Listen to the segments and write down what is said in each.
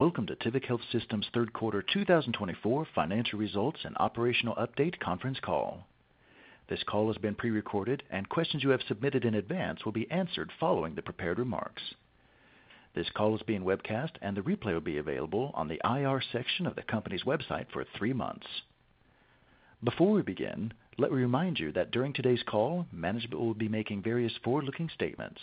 Welcome to Tivic Health Systems' third quarter 2024 financial results and operational update conference call. This call has been pre-recorded, and questions you have submitted in advance will be answered following the prepared remarks. This call is being webcast, and the replay will be available on the IR section of the company's website for three months. Before we begin, let me remind you that during today's call, management will be making various forward-looking statements.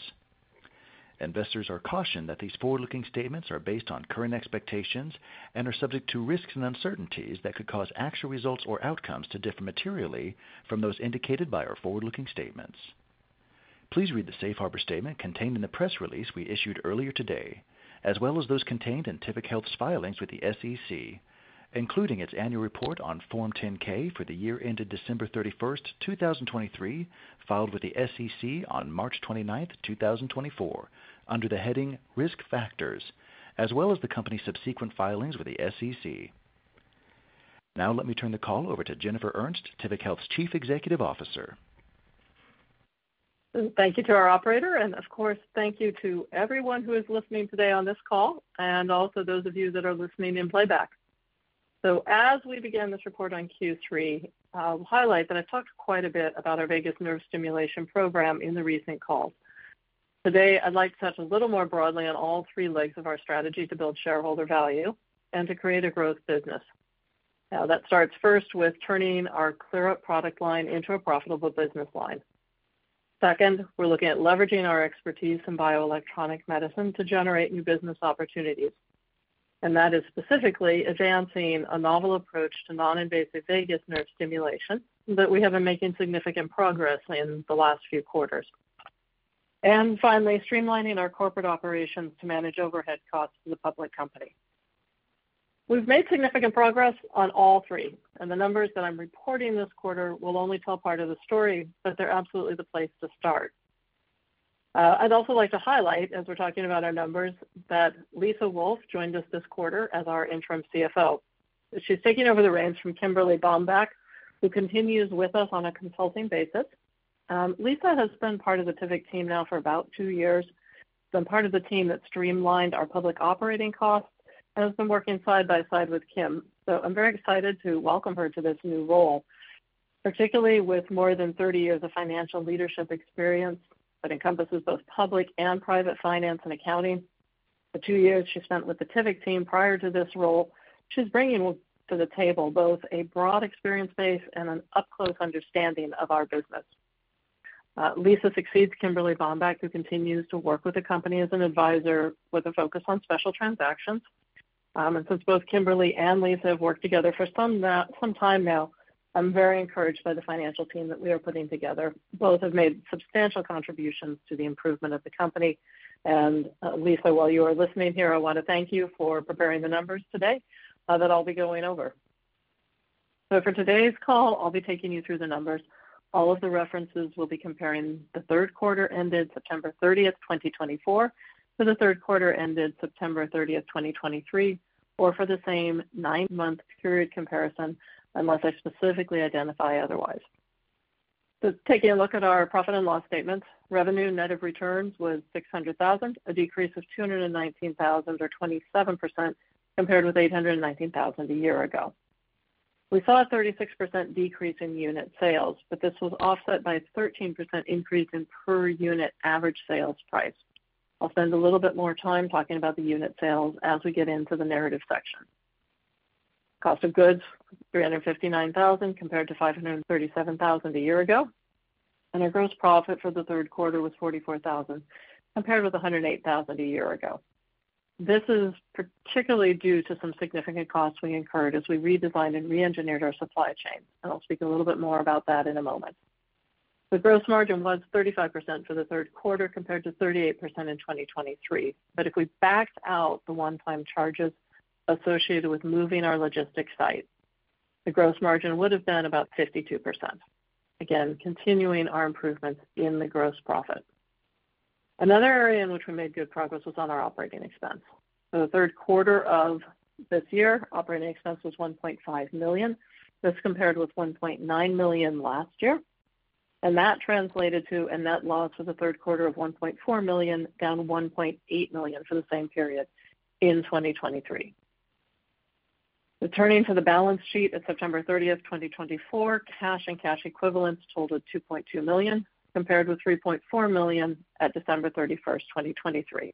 Investors are cautioned that these forward-looking statements are based on current expectations and are subject to risks and uncertainties that could cause actual results or outcomes to differ materially from those indicated by our forward-looking statements. Please read the safe harbor statement contained in the press release we issued earlier today, as well as those contained in Tivic Health's filings with the SEC, including its annual report on Form 10-K for the year ended December 31st, 2023, filed with the SEC on March 29th, 2024, under the heading Risk Factors, as well as the company's subsequent filings with the SEC. Now, let me turn the call over to Jennifer Ernst, Tivic Health's Chief Executive Officer. Thank you to our operator, and of course, thank you to everyone who is listening today on this call, and also those of you that are listening in playback. So, as we begin this report on Q3, I'll highlight that I've talked quite a bit about our vagus nerve stimulation program in the recent call. Today, I'd like to touch a little more broadly on all three legs of our strategy to build shareholder value and to create a growth business. Now, that starts first with turning our ClearUP product line into a profitable business line. Second, we're looking at leveraging our expertise in bioelectronic medicine to generate new business opportunities, and that is specifically advancing a novel approach to non-invasive vagus nerve stimulation that we have been making significant progress in the last few quarters. And finally, streamlining our corporate operations to manage overhead costs to the public company. We've made significant progress on all three, and the numbers that I'm reporting this quarter will only tell part of the story, but they're absolutely the place to start. I'd also like to highlight, as we're talking about our numbers, that Lisa Wolf joined us this quarter as our Interim CFO. She's taking over the reins from Kimberly Bambach, who continues with us on a consulting basis. Lisa has been part of the Tivic team now for about two years, been part of the team that streamlined our public operating costs, and has been working side by side with Kim. So, I'm very excited to welcome her to this new role, particularly with more than 30 years of financial leadership experience that encompasses both public and private finance and accounting. The two years she spent with the Tivic team prior to this role, she's bringing to the table both a broad experience base and an up-close understanding of our business. Lisa succeeds Kimberly Bambach, who continues to work with the company as an advisor with a focus on special transactions. And since both Kimberly and Lisa have worked together for some time now, I'm very encouraged by the financial team that we are putting together. Both have made substantial contributions to the improvement of the company. And Lisa, while you are listening here, I want to thank you for preparing the numbers today that I'll be going over. So, for today's call, I'll be taking you through the numbers. All of the references will be comparing the third quarter ended September 30th, 2024, to the third quarter ended September 30th, 2023, or for the same nine-month period comparison, unless I specifically identify otherwise. So, taking a look at our profit and loss statements, revenue net of returns was $600,000, a decrease of $219,000, or 27% compared with $819,000 a year ago. We saw a 36% decrease in unit sales, but this was offset by a 13% increase in per-unit average sales price. I'll spend a little bit more time talking about the unit sales as we get into the narrative section. Cost of goods, $359,000 compared to $537,000 a year ago, and our gross profit for the third quarter was $44,000, compared with $108,000 a year ago. This is particularly due to some significant costs we incurred as we redesigned and re-engineered our supply chain, and I'll speak a little bit more about that in a moment. The gross margin was 35% for the third quarter compared to 38% in 2023, but if we backed out the one-time charges associated with moving our logistics site, the gross margin would have been about 52%, again, continuing our improvements in the gross profit. Another area in which we made good progress was on our operating expense. So, the third quarter of this year, operating expense was $1.5 million. That's compared with $1.9 million last year, and that translated to a net loss for the third quarter of $1.4 million, down $1.8 million for the same period in 2023. Returning to the balance sheet at September 30th, 2024, cash and cash equivalents totaled $2.2 million, compared with $3.4 million at December 31st, 2023.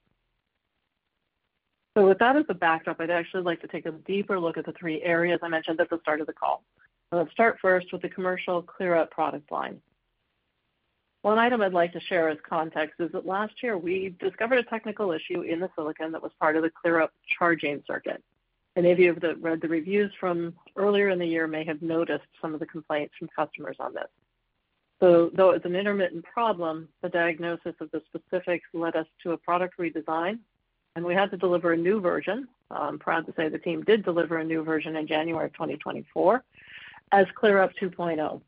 With that as a backdrop, I'd actually like to take a deeper look at the three areas I mentioned at the start of the call. I'll start first with the commercial ClearUP product line. One item I'd like to share as context is that last year we discovered a technical issue in the silicon that was part of the ClearUP charging circuit. If you've read the reviews from earlier in the year, you may have noticed some of the complaints from customers on this. Though it's an intermittent problem, the diagnosis of the specifics led us to a product redesign, and we had to deliver a new version. I'm proud to say the team did deliver a new version in January of 2024 as ClearUP 2.0.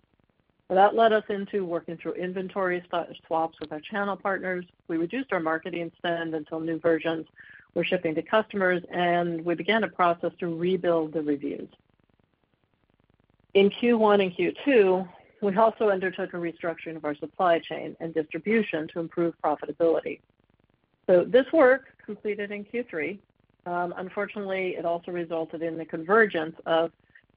That led us into working through inventory swaps with our channel partners. We reduced our marketing spend until new versions were shipping to customers, and we began a process to rebuild the reviews. In Q1 and Q2, we also undertook a restructuring of our supply chain and distribution to improve profitability, so this work completed in Q3. Unfortunately, it also resulted in the convergence of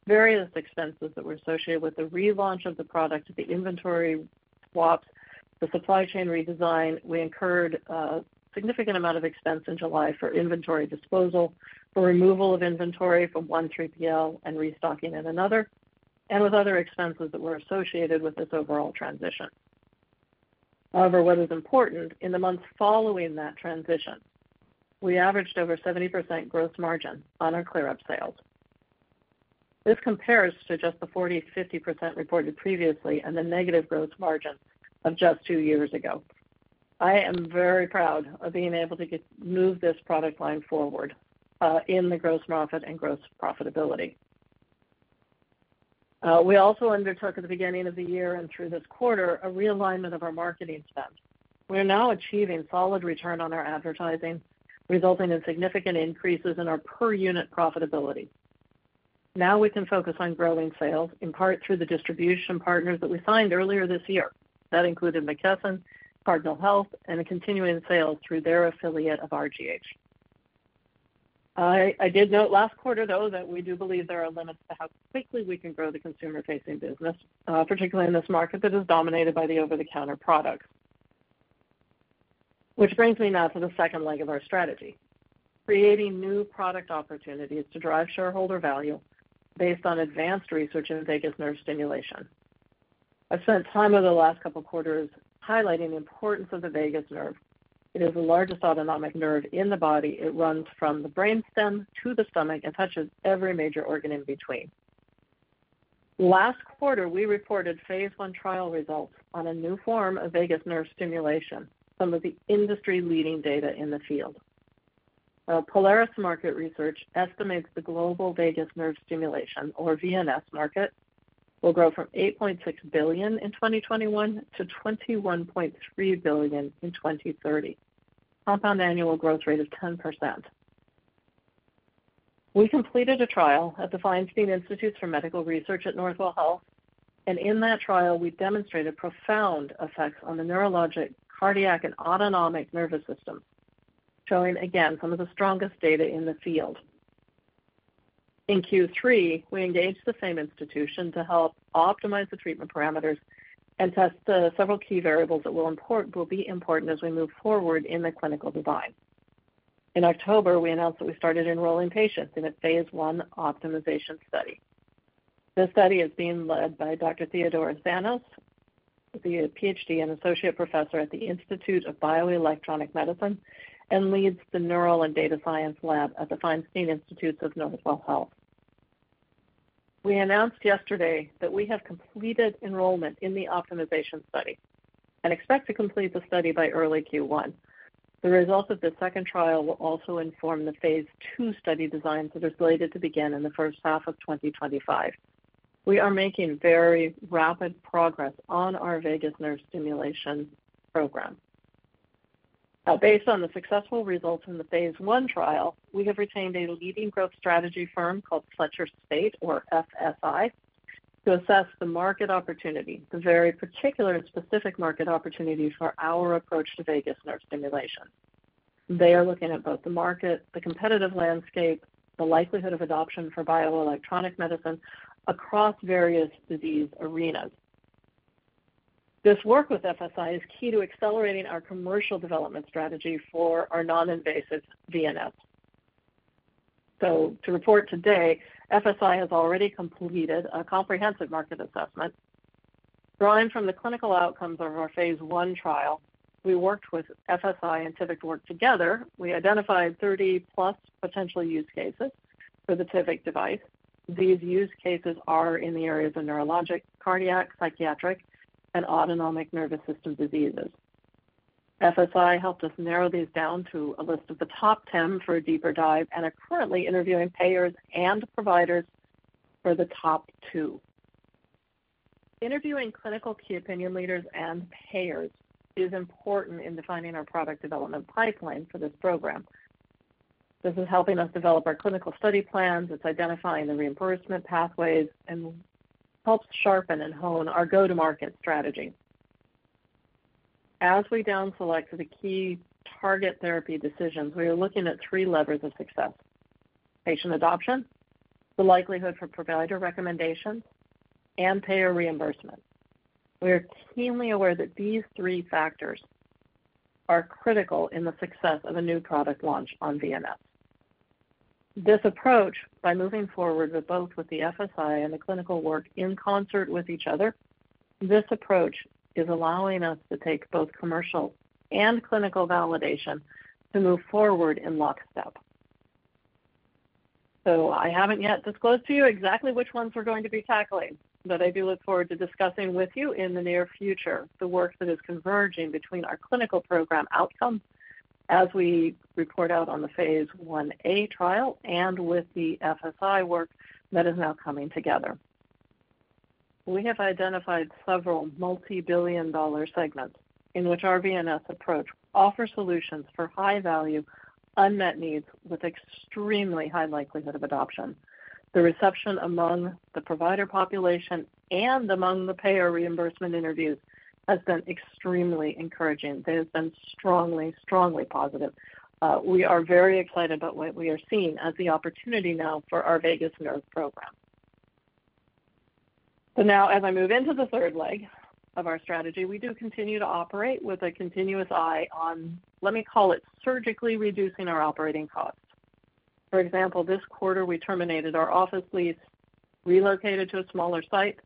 various expenses that were associated with the relaunch of the product, the inventory swaps, the supply chain redesign. We incurred a significant amount of expense in July for inventory disposal, for removal of inventory from one 3PL and restocking in another, and with other expenses that were associated with this overall transition. However, what is important, in the months following that transition, we averaged over 70% gross margin on our ClearUP sales. This compares to just the 40%-50% reported previously and the negative gross margin of just two years ago. I am very proud of being able to move this product line forward in the gross profit and gross profitability. We also undertook at the beginning of the year and through this quarter a realignment of our marketing spend. We are now achieving solid return on our advertising, resulting in significant increases in our per-unit profitability. Now we can focus on growing sales, in part through the distribution partners that we signed earlier this year. That included McKesson, Cardinal Health, and continuing sales through their affiliate of RGH. I did note last quarter, though, that we do believe there are limits to how quickly we can grow the consumer-facing business, particularly in this market that is dominated by the over-the-counter products, which brings me now to the second leg of our strategy, creating new product opportunities to drive shareholder value based on advanced research in vagus nerve stimulation. I've spent time over the last couple of quarters highlighting the importance of the vagus nerve. It is the largest autonomic nerve in the body. It runs from the brainstem to the stomach and touches every major organ in between. Last quarter, we reported phase I trial results on a new form of vagus nerve stimulation, some of the industry-leading data in the field. Polaris Market Research estimates the global vagus nerve stimulation, or VNS market, will grow from $8.6 billion in 2021 to $21.3 billion in 2030, a compound annual growth rate of 10%. We completed a trial at the Feinstein Institutes for Medical Research at Northwell Health, and in that trial, we demonstrated profound effects on the neurologic, cardiac, and autonomic nervous system, showing again some of the strongest data in the field. In Q3, we engaged the same institution to help optimize the treatment parameters and test the several key variables that will be important as we move forward in the clinical design. In October, we announced that we started enrolling patients in a phase I optimization study. This study is being led by Dr. Theodoros Zanos, the PhD and associate professor at the Institute of Bioelectronic Medicine, and leads the neural and data science lab at the Feinstein Institutes of Northwell Health. We announced yesterday that we have completed enrollment in the optimization study and expect to complete the study by early Q1. The results of the second trial will also inform the phase II study designs that are slated to begin in the first half of 2025. We are making very rapid progress on our vagus nerve stimulation program. Based on the successful results in the phase I trial, we have retained a leading growth strategy firm called Fletcher Spaght, or FSI, to assess the market opportunity, the very particular and specific market opportunity for our approach to vagus nerve stimulation. They are looking at both the market, the competitive landscape, the likelihood of adoption for bioelectronic medicine across various disease arenas. This work with FSI is key to accelerating our commercial development strategy for our non-invasive VNS. So, to report today, FSI has already completed a comprehensive market assessment. Drawing from the clinical outcomes of our phase I trial, we worked with FSI and Tivic to work together. We identified 30+ potential use cases for the Tivic device. These use cases are in the areas of neurologic, cardiac, psychiatric, and autonomic nervous system diseases. FSI helped us narrow these down to a list of the top 10 for a deeper dive, and are currently interviewing payers and providers for the top two. Interviewing clinical key opinion leaders and payers is important in defining our product development pipeline for this program. This is helping us develop our clinical study plans. It's identifying the reimbursement pathways and helps sharpen and hone our go-to-market strategy. As we downselected the key target therapy decisions, we are looking at three levers of success: patient adoption, the likelihood for provider recommendations, and payer reimbursement. We are keenly aware that these three factors are critical in the success of a new product launch on VNS. This approach, by moving forward both with the FSI and the clinical work in concert with each other, this approach is allowing us to take both commercial and clinical validation to move forward in lockstep. So, I haven't yet disclosed to you exactly which ones we're going to be tackling, but I do look forward to discussing with you in the near future the work that is converging between our clinical program outcomes as we report out on the phase I-A trial and with the FSI work that is now coming together. We have identified several multi-billion dollar segments in which our VNS approach offers solutions for high-value unmet needs with extremely high likelihood of adoption. The reception among the provider population and among the payer reimbursement interviews has been extremely encouraging. They have been strongly, strongly positive. We are very excited about what we are seeing as the opportunity now for our vagus nerve program. So now, as I move into the third leg of our strategy, we do continue to operate with a continuous eye on, let me call it, surgically reducing our operating costs. For example, this quarter, we terminated our office lease, relocated to a smaller site,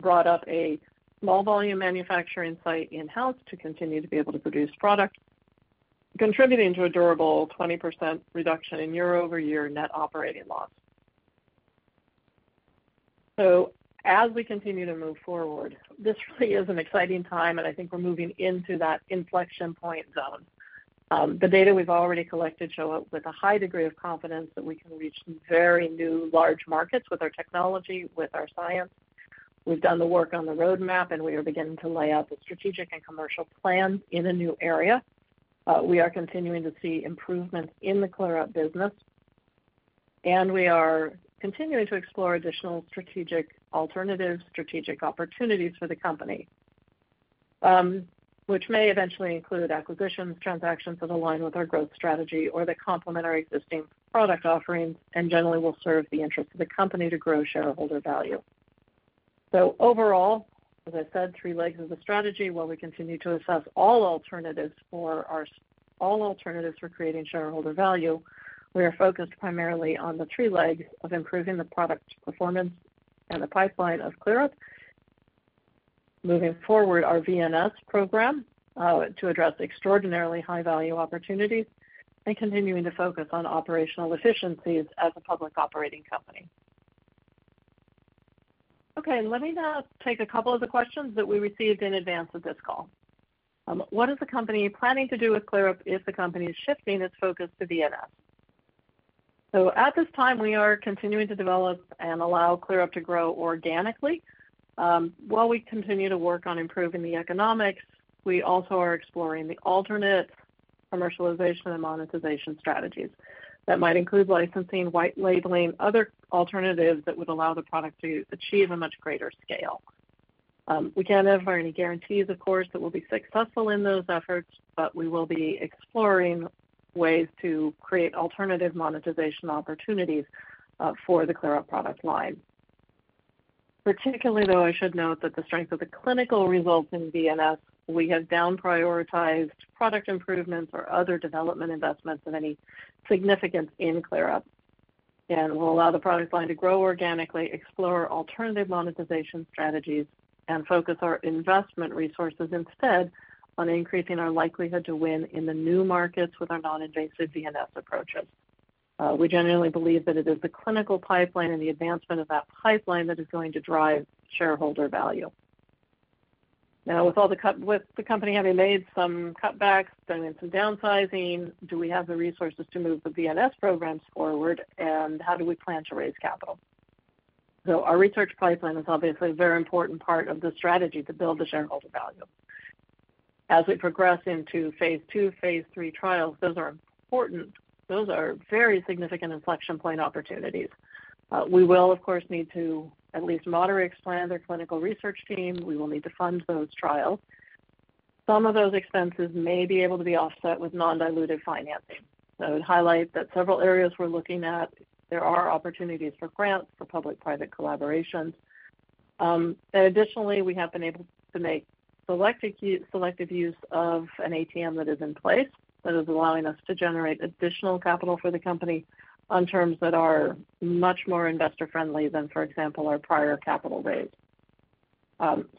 brought up a small-volume manufacturing site in-house to continue to be able to produce product, contributing to a durable 20% reduction in year-over-year net operating loss. So, as we continue to move forward, this really is an exciting time, and I think we're moving into that inflection point zone. The data we've already collected show up with a high degree of confidence that we can reach very new large markets with our technology, with our science. We've done the work on the roadmap, and we are beginning to lay out the strategic and commercial plans in a new area. We are continuing to see improvements in the ClearUP business, and we are continuing to explore additional strategic alternatives, strategic opportunities for the company, which may eventually include acquisitions, transactions that align with our growth strategy or that complement our existing product offerings and generally will serve the interests of the company to grow shareholder value. So, overall, as I said, three legs of the strategy, while we continue to assess all alternatives for creating shareholder value, we are focused primarily on the three legs of improving the product performance and the pipeline of ClearUP, moving forward our VNS program to address extraordinarily high-value opportunities and continuing to focus on operational efficiencies as a public operating company. Okay, and let me now take a couple of the questions that we received in advance of this call. What is the company planning to do with ClearUP if the company is shifting its focus to VNS? So, at this time, we are continuing to develop and allow ClearUP to grow organically. While we continue to work on improving the economics, we also are exploring the alternate commercialization and monetization strategies that might include licensing, white labeling, other alternatives that would allow the product to achieve a much greater scale. We can't have any guarantees, of course, that we'll be successful in those efforts, but we will be exploring ways to create alternative monetization opportunities for the ClearUP product line. Particularly, though, I should note that the strength of the clinical results in VNS, we have down-prioritized product improvements or other development investments of any significance in ClearUP and will allow the product line to grow organically, explore alternative monetization strategies, and focus our investment resources instead on increasing our likelihood to win in the new markets with our non-invasive VNS approaches. We genuinely believe that it is the clinical pipeline and the advancement of that pipeline that is going to drive shareholder value. Now, with the company having made some cutbacks, done some downsizing, do we have the resources to move the VNS programs forward, and how do we plan to raise capital? So, our research pipeline is obviously a very important part of the strategy to build the shareholder value. As we progress into phase II, phase III trials, those are important. Those are very significant inflection point opportunities. We will, of course, need to at least moderate expand our clinical research team. We will need to fund those trials. Some of those expenses may be able to be offset with non-dilutive financing. So, I would highlight that several areas we're looking at, there are opportunities for grants, for public-private collaborations. Additionally, we have been able to make selective use of an ATM that is in place that is allowing us to generate additional capital for the company on terms that are much more investor-friendly than, for example, our prior capital raise.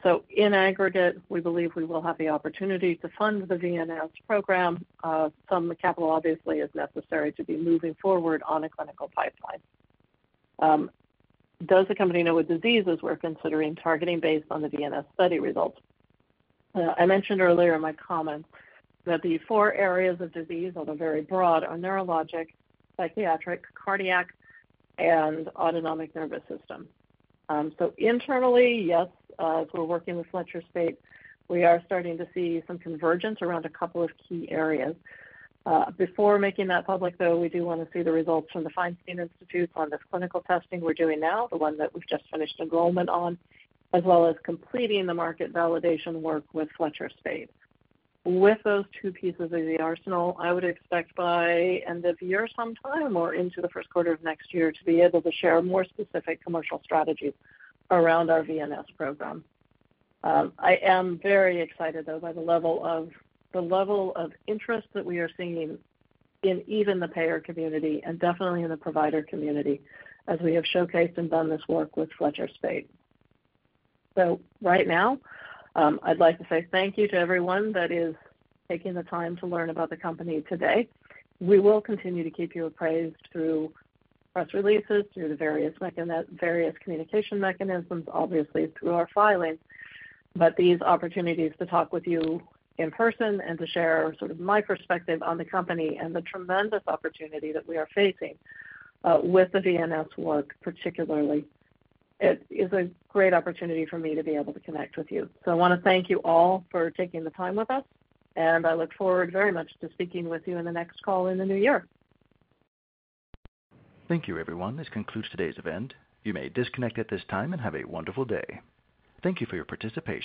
So, in aggregate, we believe we will have the opportunity to fund the VNS program. Some capital obviously is necessary to be moving forward on a clinical pipeline. Does the company know what diseases we're considering targeting based on the VNS study results? I mentioned earlier in my comments that the four areas of disease, although very broad, are neurologic, psychiatric, cardiac, and autonomic nervous system. So, internally, yes, as we're working with Fletcher Spaght, we are starting to see some convergence around a couple of key areas. Before making that public, though, we do want to see the results from the Feinstein Institutes on the clinical testing we're doing now, the one that we've just finished enrollment on, as well as completing the market validation work with Fletcher Spaght. With those two pieces of the arsenal, I would expect by end of year sometime or into the first quarter of next year to be able to share more specific commercial strategies around our VNS program. I am very excited, though, by the level of interest that we are seeing in even the payer community and definitely in the provider community as we have showcased and done this work with Fletcher Spaght. So, right now, I'd like to say thank you to everyone that is taking the time to learn about the company today. We will continue to keep you appraised through press releases, through the various communication mechanisms, obviously through our filing, but these opportunities to talk with you in person and to share sort of my perspective on the company and the tremendous opportunity that we are facing with the VNS work particularly. It is a great opportunity for me to be able to connect with you. So, I want to thank you all for taking the time with us, and I look forward very much to speaking with you in the next call in the new year. Thank you, everyone. This concludes today's event. You may disconnect at this time and have a wonderful day. Thank you for your participation.